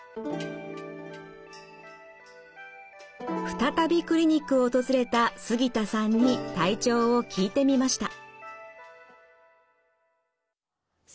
再びクリニックを訪れた杉田さんに体調を聞いてみました。